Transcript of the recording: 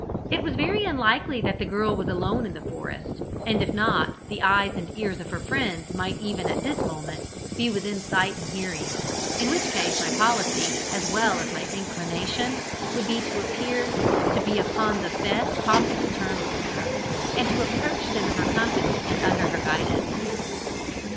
It was very unlikely that the girl was alone in the forest, and if not, the eyes and ears of her friends might even at this moment be within sight and hearing, in which case my policy, as well as my inclination, would be to appear to be upon the best possible terms with her, and to approach them in her company and under her guidance.